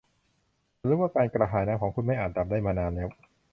ฉันรู้ว่าการกระหายน้ำของคุณไม่อาจดับได้มานานแล้ว